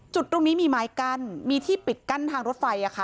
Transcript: จุดตรงนี้มีไม้กั้นมีที่ปิดกั้นทางรถไฟ